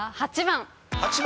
８番。